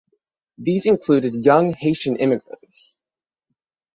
These included young Haitian immigrants.